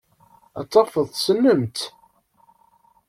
Ad tafeḍ tessnem-tt.